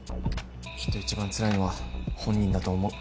きっと一番つらいのは本人だと思う。